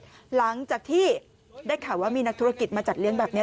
หลังจากที่ได้ข่าวว่ามีนักธุรกิจมาจัดเลี้ยงแบบนี้